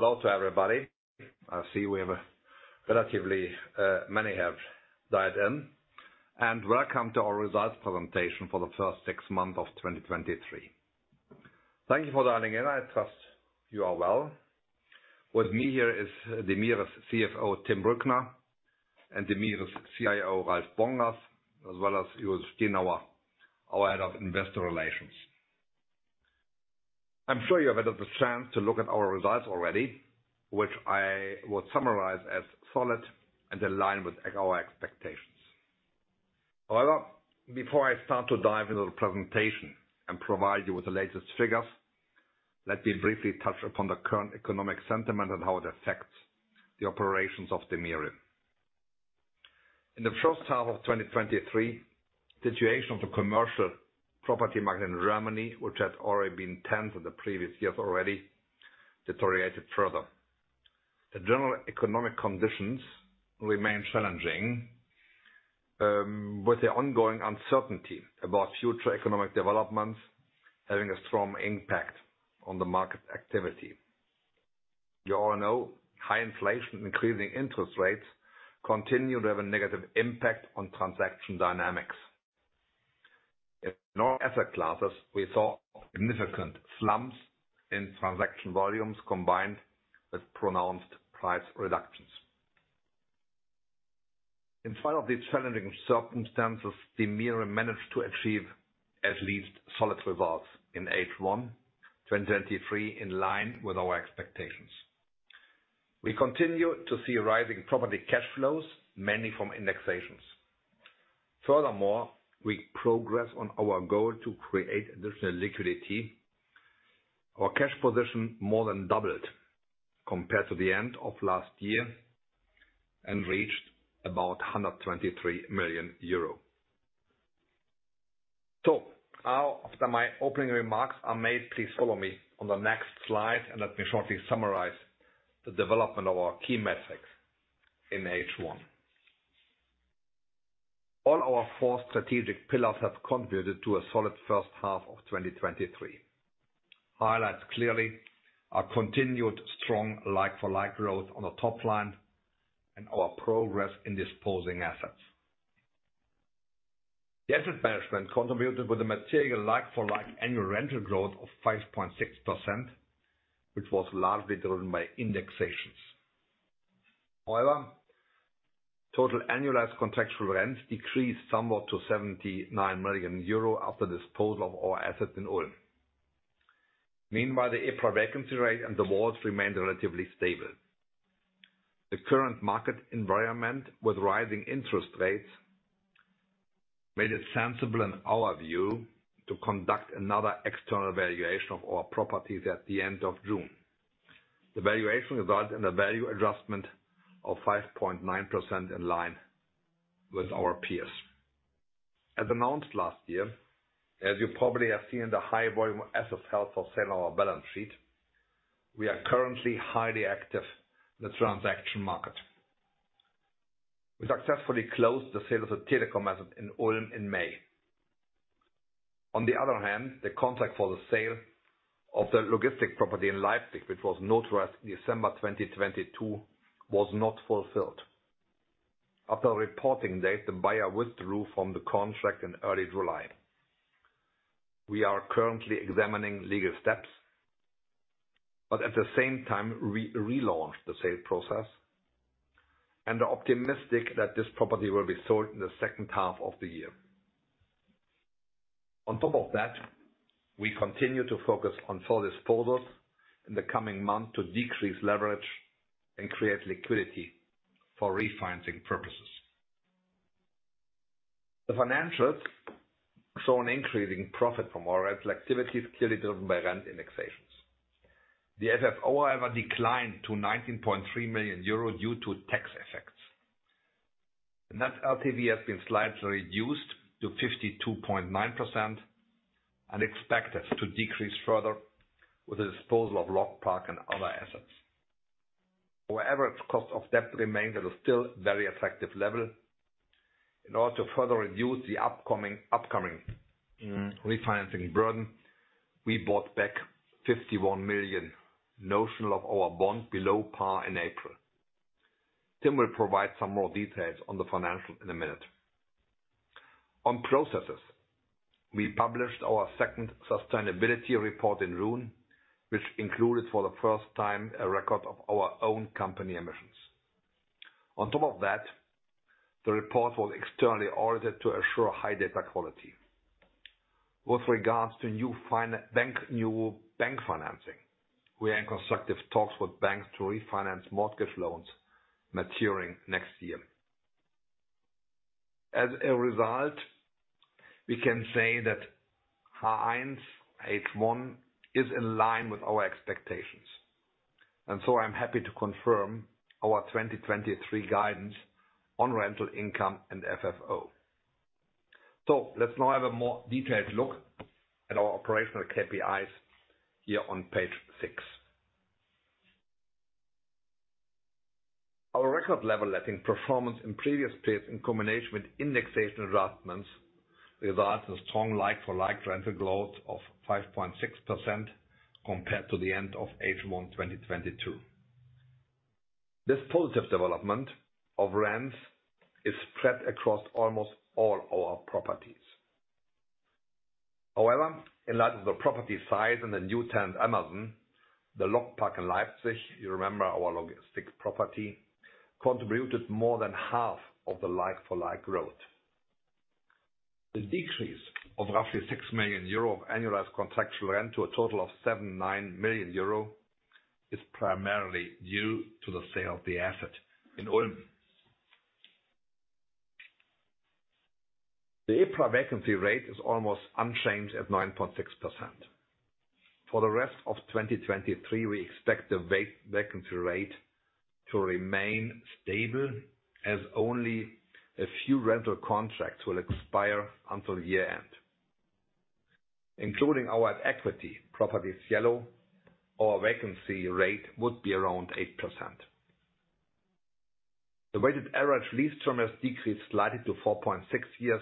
Hello to everybody. I see we have a relatively many have dialed in, and welcome to our results presentation for the first six months of 2023. Thank you for dialing in. I trust you are well. With me here is DEMIRE's CFO, Tim Brückner, and DEMIRE's CIO, Ralf Bongers, as well as Julius Stinauer, our head of Investor relations. I'm sure you've had the chance to look at our results already, which I will summarize as solid and aligned with our expectations. However, before I start to dive into the presentation and provide you with the latest figures, let me briefly touch upon the current economic sentiment and how it affects the operations of DEMIRE. In the first half of 2023, the situation of the commercial property market in Germany, which had already been tense in the previous years already, deteriorated further. The general economic conditions remain challenging, with the ongoing uncertainty about future economic developments having a strong impact on the market activity. You all know, high inflation, increasing interest rates continue to have a negative impact on transaction dynamics. In all asset classes, we saw significant slumps in transaction volumes combined with pronounced price reductions. In spite of these challenging circumstances, DEMIRE managed to achieve at least solid results in H1 2023, in line with our expectations. We continue to see rising property cash flows, mainly from indexations. Furthermore, we progress on our goal to create additional liquidity. Our cash position more than doubled compared to the end of last year and reached about 123 million euro. So now after my opening remarks are made, please follow me on the next slide, and let me shortly summarize the development of our key metrics in H1. All our four strategic pillars have contributed to a solid first half of 2023. Highlights clearly are continued strong like-for-like growth on the top line and our progress in disposing assets. The asset management contributed with a material like-for-like annual rental growth of 5.6%, which was largely driven by indexations. However, total annualized contractual rents decreased somewhat to 79 million euro after disposal of our assets in Ulm. Meanwhile, the EPRA vacancy rate and the WALT remained relatively stable. The current market environment with rising interest rates made it sensible, in our view, to conduct another external valuation of our properties at the end of June. The valuation results in a value adjustment of 5.9% in line with our peers. As announced last year, as you probably have seen in the high volume of assets held for sale on our balance sheet, we are currently highly active in the transaction market. We successfully closed the sale of the telecom asset in Ulm in May. On the other hand, the contract for the sale of the logistics property in Leipzig, which was notarized in December 2022, was not fulfilled. After reporting date, the buyer withdrew from the contract in early July. We are currently examining legal steps, but at the same time, relaunched the sale process and are optimistic that this property will be sold in the second half of the year. On top of that, we continue to focus on further disposals in the coming months to decrease leverage and create liquidity for refinancing purposes. The financials saw an increasing profit from our rental activities, clearly driven by rent indexations. The FFO, however, declined to 19.3 million euro due to tax effects. Net LTV has been slightly reduced to 52.9% and expected to decrease further with the disposal of LogPark Leipzig and other assets. However, its cost of debt remains at a still very effective level. In order to further reduce the upcoming refinancing burden, we bought back 51 million notional of our bond below par in April. Tim will provide some more details on the financials in a minute. On processes, we published our second sustainability report in June, which included, for the first time, a record of our own company emissions. On top of that, the report was externally audited to assure high data quality. With regards to new bank financing, we are in constructive talks with banks to refinance mortgage loans maturing next year. As a result, we can say that behind H1 is in line with our expectations, and so I'm happy to confirm our 2023 guidance on rental income and FFO. So let's now have a more detailed look at our operational KPIs here on page 6. Our record level letting performance in previous periods, in combination with indexation adjustments, results in strong like-for-like rental growth of 5.6% compared to the end of H1 2022. This positive development of rents is spread across almost all our properties. However, in light of the property size and the new tenant, Amazon, the LogPark Leipzig, you remember our logistics property, contributed more than half of the like-for-like growth. The decrease of roughly 6 million euro of annualized contractual rent to a total of 79 million euro is primarily due to the sale of the asset in Ulm. The EPRA vacancy rate is almost unchanged at 9.6%. For the rest of 2023, we expect the vacancy rate to remain stable, as only a few rental contracts will expire until year-end. Including our equity, Properties Yellow, our vacancy rate would be around 8%. The weighted average lease term has decreased slightly to 4.6 years,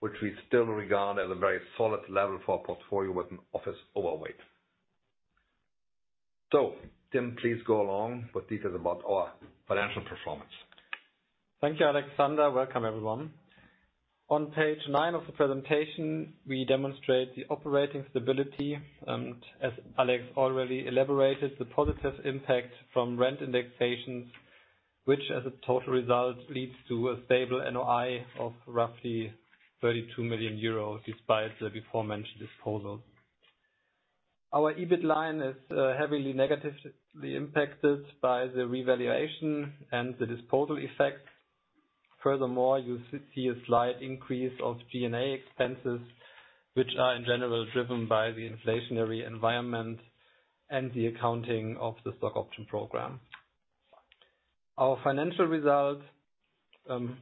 which we still regard as a very solid level for our portfolio with an office overweight. So Tim, please go ahead with details about our financial performance. Thank you, Alexander. Welcome, everyone. On page 9 of the presentation, we demonstrate the operating stability, and as Alex already elaborated, the positive impact from rent indexations, which as a total result leads to a stable NOI of roughly 32 million euro, despite the aforementioned disposal. Our EBIT line is heavily negatively impacted by the revaluation and the disposal effect. Furthermore, you see a slight increase of G&A expenses, which are in general, driven by the inflationary environment and the accounting of the stock option program. Our financial results,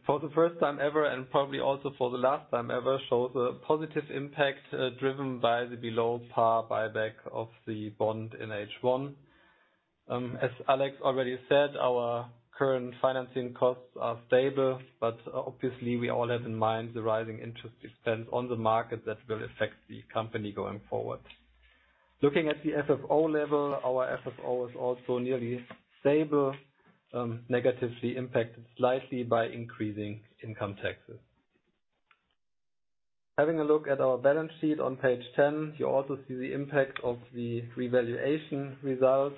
for the first time ever, and probably also for the last time ever, show the positive impact, driven by the below par buyback of the bond in H1. As Alex already said, our current financing costs are stable, but obviously we all have in mind the rising interest expense on the market that will affect the company going forward. Looking at the FFO level, our FFO is also nearly stable, negatively impacted slightly by increasing income taxes. Having a look at our balance sheet on page 10, you also see the impact of the revaluation results.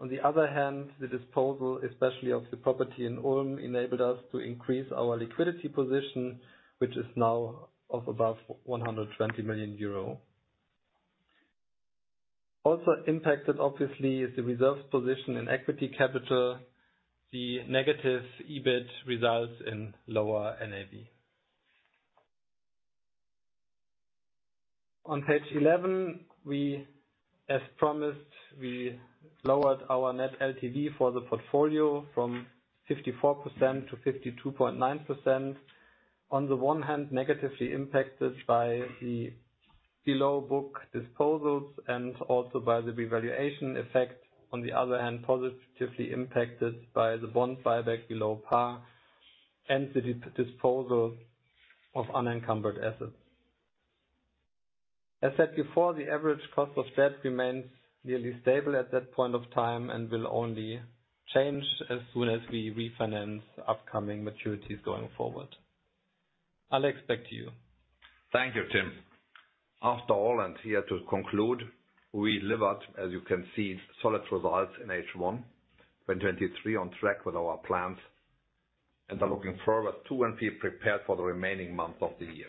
On the other hand, the disposal, especially of the property in Ulm, enabled us to increase our liquidity position, which is now of about 120 million euro. Also impacted, obviously, is the reserve position in equity capital, the negative EBIT results in lower NAV. On page 11, we, as promised, we lowered our net LTV for the portfolio from 54% to 52.9%. On the one hand, negatively impacted by the below book disposals and also by the revaluation effect. On the other hand, positively impacted by the bond buyback below par and the disposal of unencumbered assets. As said before, the average cost of debt remains nearly stable at that point of time and will only change as soon as we refinance upcoming maturities going forward. Alex, back to you. Thank you, Tim. After all, and here to conclude, we delivered, as you can see, solid results in H1 2023, on track with our plans, and are looking forward to and feel prepared for the remaining months of the year.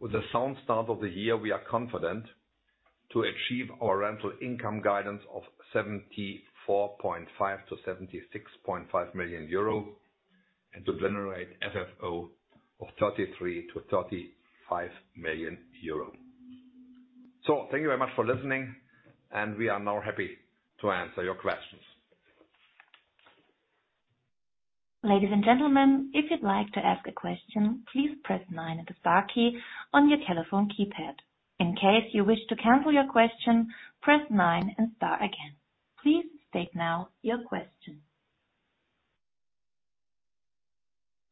With a sound start of the year, we are confident to achieve our rental income guidance of 74.5 million-76.5 million euro, and to generate FFO of 33 million-35 million euro. So thank you very much for listening, and we are now happy to answer your questions. Ladies and gentlemen, if you'd like to ask a question, please press nine and the star key on your telephone keypad. In case you wish to cancel your question, press nine and star again. Please state now your question.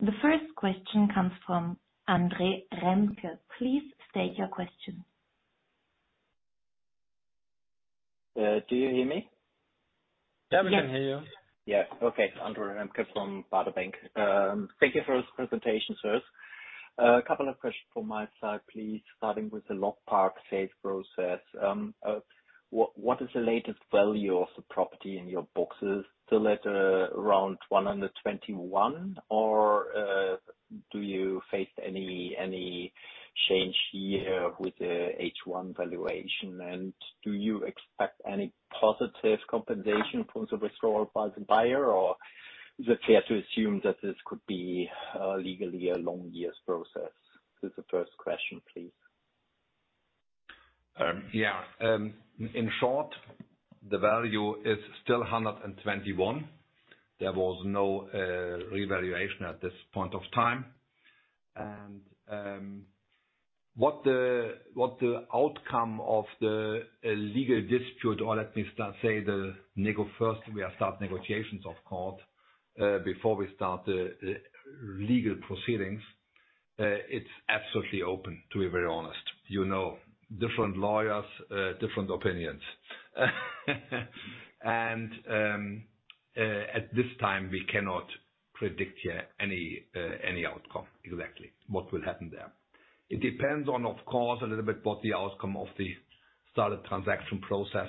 The first question comes from Andre Remke. Please state your question. Do you hear me? Yeah, we can hear you. Yeah. Okay, it's Andre Remke from Baader Bank. Thank you for this presentation, sirs. A couple of questions from my side, please. Starting with the LogPark sales process. What is the latest value of the property in your books? Is still at around 121 million, or do you face any change here with the H1 valuation? And do you expect any positive compensation from the withdrawal by the buyer, or is it fair to assume that this could be legally a long years process? This is the first question, please. In short, the value is still 121 million. There was no revaluation at this point of time. What the outcome of the legal dispute, or let me start say the negotiation first, we are start negotiations out of court before we start the legal proceedings. It's absolutely open, to be very honest. You know, different lawyers, different opinions. And at this time, we cannot predict yet any outcome exactly what will happen there. It depends on, of course, a little bit what the outcome of the started transaction process.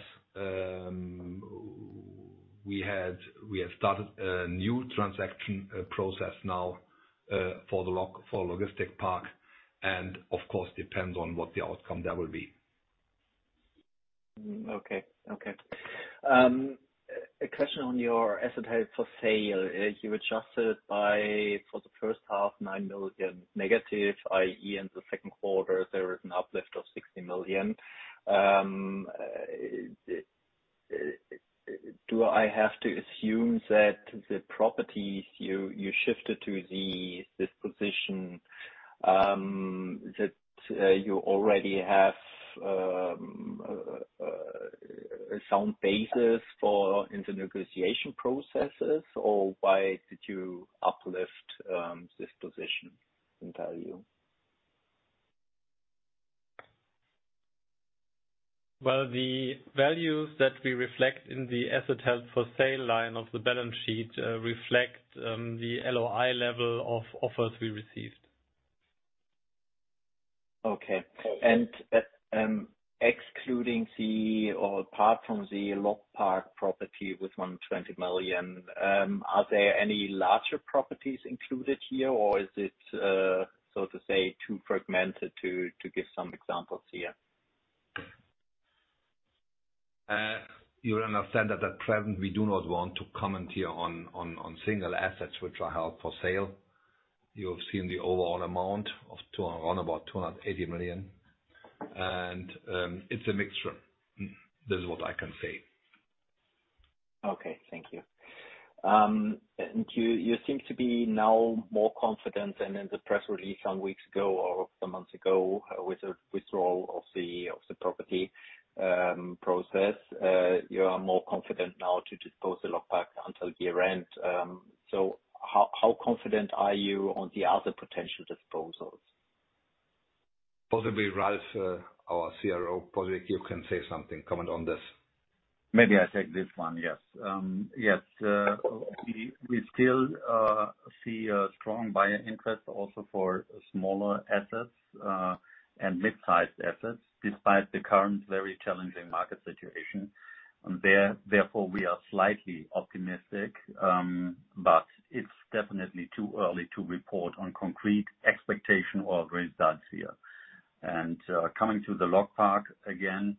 We have started a new transaction process now for the LogPark Leipzig, and of course, depends on what the outcome there will be. Okay. Okay. A question on your asset held for sale. You adjusted by, for the first half, 9 million negative, i.e., in the Q2, there is an uplift of 60 million. Do I have to assume that the properties you you shifted to the disposition that you already have a sound basis for in the negotiation processes, or why did you uplift this position in value? Well, the values that we reflect in the asset held for sale line of the balance sheet reflect the LOI level of offers we received. Okay. And, excluding the, or apart from the LogPark property with 120 million, are there any larger properties included here, or is it so to say too fragmented to give some examples here? You understand that at present, we do not want to comment here on single assets which are held for sale. You have seen the overall amount of around about 280 million, and it's a mixture. This is what I can say. Okay, thank you. And you seem to be now more confident, and in the press release some weeks ago or some months ago, with the withdrawal of the property process, you are more confident now to dispose the LogPark until the end. So how confident are you on the other potential disposals? Possibly Ralf, our CIO, probably you can say something, comment on this. Maybe I take this one. Yes. Yes, we still see a strong buyer interest also for smaller assets and mid-sized assets, despite the current very challenging market situation. Therefore, we are slightly optimistic, but it's definitely too early to report on concrete expectation or results here. And, coming to the LogPark, again,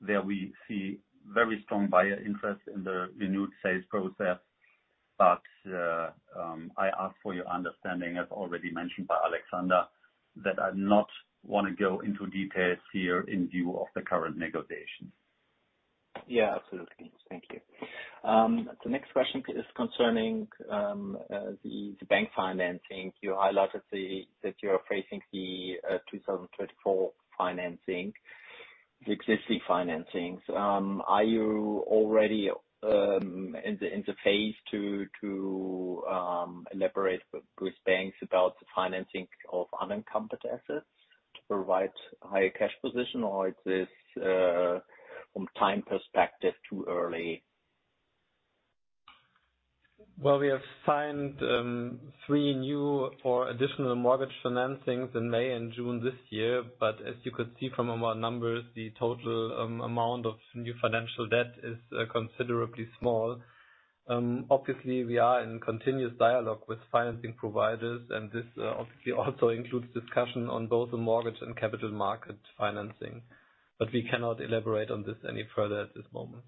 there we see very strong buyer interest in the renewed sales process, but, I ask for your understanding, as already mentioned by Alexander, that I not want to go into details here in view of the current negotiations. Yeah, absolutely. Thank you. The next question is concerning the bank financing. You highlighted that you are facing the 2024 financing, the existing financings. Are you already in the phase to elaborate with banks about the financing of unencumbered assets to provide higher cash position, or is this from time perspective, too early? Well, we have signed three new or additional mortgage financings in May and June this year, but as you could see from our numbers, the total amount of new financial debt is considerably small. Obviously, we are in continuous dialogue with financing providers, and this obviously also includes discussion on both the mortgage and capital market financing. But we cannot elaborate on this any further at this moment.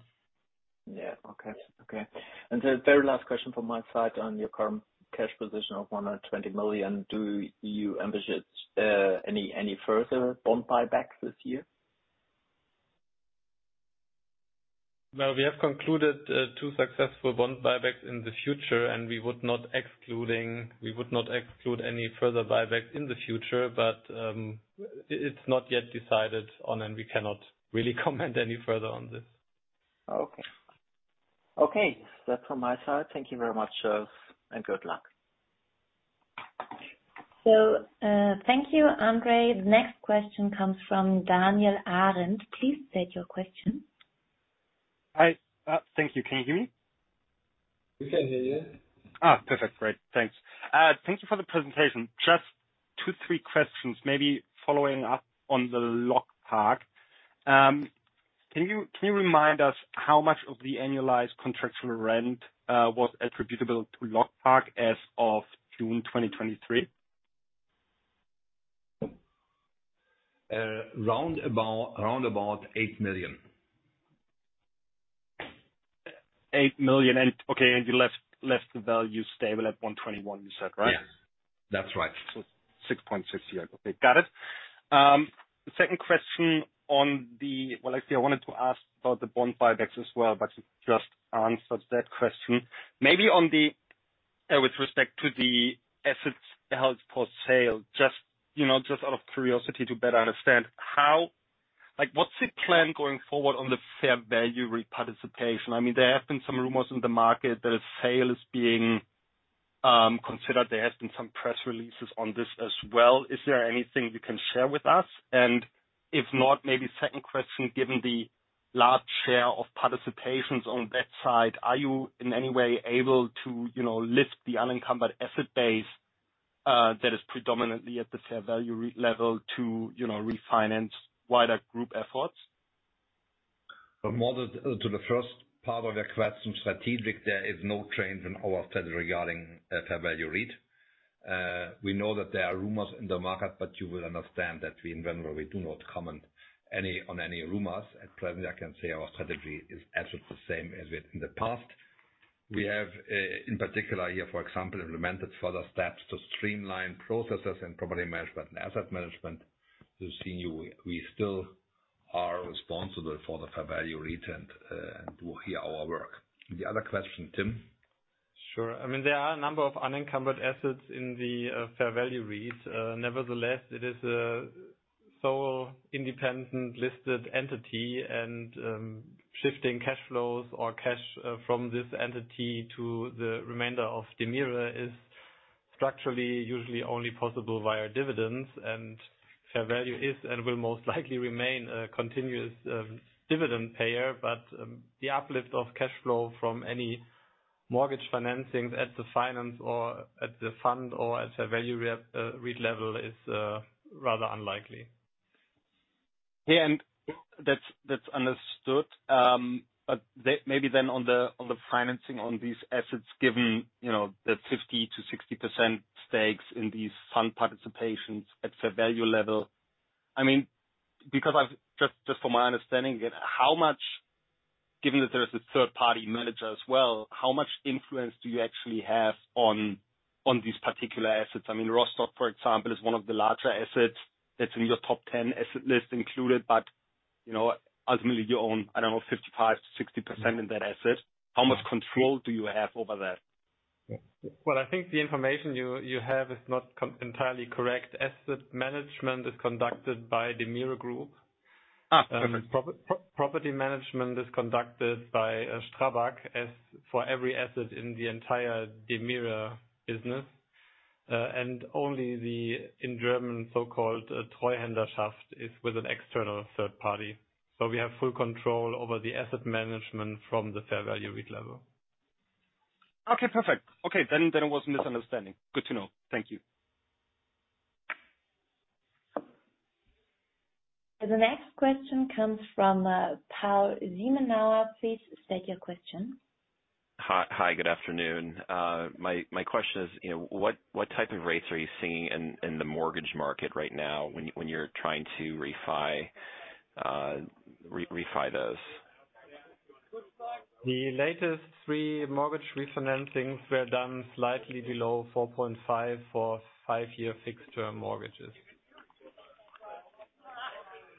Yeah. Okay. Okay. And the very last question from my side on your current cash position of 120 million, do you envision any further bond buybacks this year? Well, we have concluded two successful bond buybacks in the future, and we would not exclude any further buybacks in the future, but it's not yet decided on, and we cannot really comment any further on this. Okay. Okay, that's from my side. Thank you very much, and good luck. Thank you, Andre. The next question comes from Daniel Arendt. Please state your question. Hi. Thank you. Can you hear me? We can hear you. Ah, perfect. Great. Thanks. Thank you for the presentation. Just 2, 3 questions, maybe following up on the LogPark. Can you, can you remind us how much of the annualized contractual rent was attributable to LogPark as of June 2023? Round about eight million. 8 million. And okay, and you left, left the value stable at 121 million, you said, right? Yes. That's right. So 6.6-year. Okay, got it. Second question. Well, actually, I wanted to ask about the bond buybacks as well, but you just answered that question. Maybe with respect to the assets held for sale, just, you know, just out of curiosity to better understand, how—like, what's the plan going forward on the Fair Value REIT participation? I mean, there have been some rumors in the market that a sale is being considered. There has been some press releases on this as well. Is there anything you can share with us? And if not, maybe second question, given the large share of participations on that side, are you in any way able to, you know, lift the unencumbered asset base, that is predominantly at the Fair Value REIT level to, you know, refinance wider group efforts? But more to the first part of your question, strategic, there is no change in our strategy regarding Fair Value REIT. We know that there are rumors in the market, but you will understand that we, in in our view, do not comment on any rumors. At present, I can say our strategy is absolutely the same as it in the past. We have, in particular here, for example, implemented further steps to streamline processes and property management and asset management. You've seen we still are responsible for the Fair Value REIT and will hear our work. The other question, Tim? Sure. I mean, there are a number of unencumbered assets in the Fair Value REIT. Nevertheless, it is a sole independent listed entity, and shifting cash flows or cash from this entity to the remainder of DEMIRE is structurally usually only possible via dividends. And Fair Value is, and will most likely remain, a continuous dividend payer. But the uplift of cash flow from any mortgage financings at the finance or at the fund or at Fair Value REIT REIT level is rather unlikely. Yeah, and that's, that's understood. But the... Maybe then on the, on the financing on these assets, given, you know, the 50%-60% stakes in these fund participations at fair value level. I mean, because I've just, just for my understanding, how much, given that there is a third-party manager as well, how much influence do you actually have on, on these particular assets? I mean, Rostock, for example, is one of the larger assets that's in your top ten asset list included, but, you know, ultimately, you own, I don't know, 55-60% in that asset. How much control do you have over that? Well, I think the information you have is not entirely correct. Asset management is conducted by DEMIRE Group. Ah, perfect. Property management is conducted by STRABAG, as for every asset in the entire DEMIRE business. And only the, in German, so-called Treuhänderschaft is with an external third party. So we have full control over the asset management from the Fair Value REIT-AG level. Okay, perfect. Okay, then, then it was a misunderstanding. Good to know. Thank you. The next question comes from Paul Zimanauer. Please state your question. Hi, hi, good afternoon. My question is, you know, what type of rates are you seeing in the mortgage market right now when you're trying to refi, refi those? The latest 3 mortgage refinancings were done slightly below 4.5% for five-year fixed-term mortgages.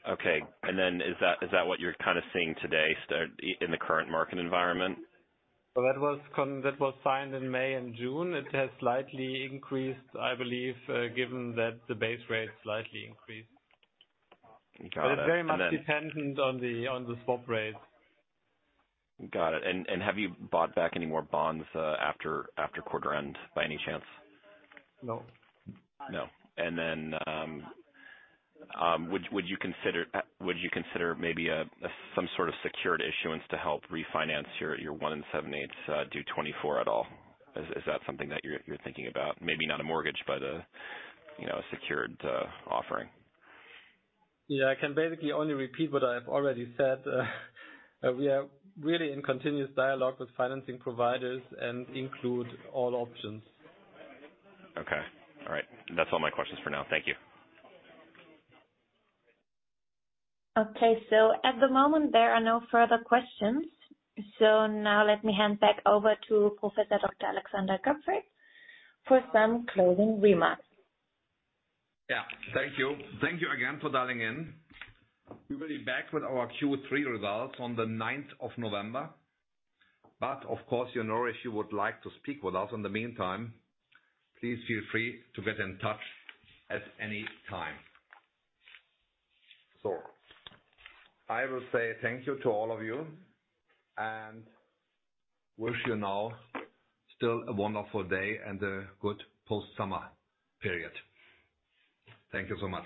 Okay. And then, is that what you're kind of seeing today start in the current market environment? Well, that was signed in May and June. It has slightly increased, I believe, given that the base rate slightly increased. Got it. It's very much dependent on the swap rates. Got it. And have you bought back any more bonds after quarter end, by any chance? No. No. And then, would you consider maybe some sort of secured issuance to help refinance your 1 7/8 due 2024 at all? Is that something that you're thinking about? Maybe not a mortgage, but, you know, a secured offering. Yeah, I can basically only repeat what I have already said. We are really in continuous dialogue with financing providers and include all options. Okay. All right. That's all my questions for now. Thank you. Okay, so at the moment, there are no further questions. So now let me hand back over to Professor Dr. Alexander Goepfert for some closing remarks. Yeah, thank you. Thank you again for dialing in. We will be back with our Q3 results on the ninth of November. But of course, you know, if you would like to speak with us in the meantime, please feel free to get in touch at any time. So I will say thank you to all of you and wish you now still a wonderful day and a good post-summer period. Thank you so much.